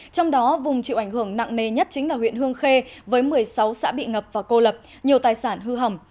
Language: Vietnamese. trong đó vùng chịu ảnh hưởng nặng nề nhất chính là huyện hương khê với một mươi sáu xã bị ngập và cô lập nhiều tài sản hư hỏng